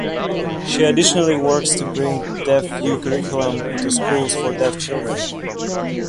She additionally works to bring Deaf View curriculum into schools for deaf children.